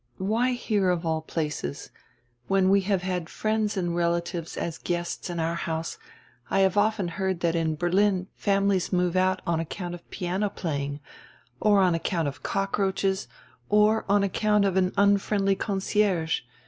Why here, of all places? When we have had friends and relatives as guests in our house I have often heard that in Berlin families move out on account of piano playing, or on account of cockroaches, or on account of an unfriendly concierge.